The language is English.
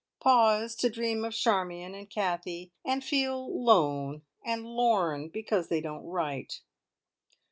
Pause to dream of Charmion and Kathie, and feel lone and lorn because they don't write.